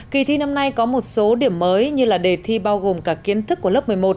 kỳ thi năm nay có một số điểm mới như là đề thi bao gồm cả kiến thức của lớp một mươi một